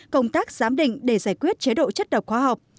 công tác giám định để giải quyết chế độ chất độc hóa học